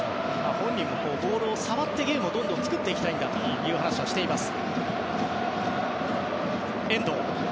本人もボールを触ってどんどんゲームを作っていきたいという話もしています。